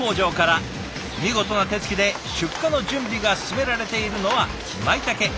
見事な手つきで出荷の準備が進められているのはまいたけ。